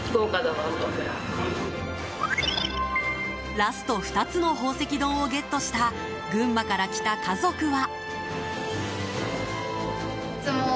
ラスト２つの宝石丼をゲットした群馬から来た家族は。